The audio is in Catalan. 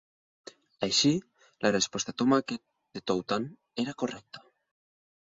Així, la resposta "tomàquet" de Toutant era correcta.